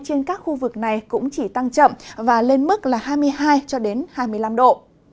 trên các khu vực này cũng chỉ tăng chậm và lên mức là hai mươi hai cho đến hai mươi năm độ